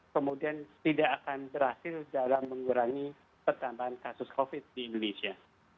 kemudian tidak akan berhasil dalam mengurangi pertambahan kasus covid di indonesia